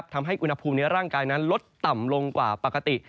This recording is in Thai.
ทำให้อุณหภูมิในร่างกายนั้นลดต่ำลงกว่าปกติ